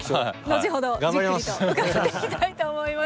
後ほどじっくりと伺っていきたいと思いますけれども。